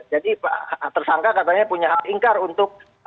jadi tersangka katanya punya hak ingkar untuk